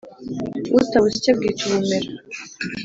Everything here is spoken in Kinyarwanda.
Utabusya abwita ubumera.